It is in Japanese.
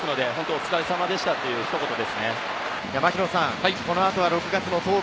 お疲れさまでしたというひと言ですね。